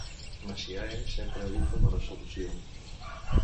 Messiaen sempre evita la resolució.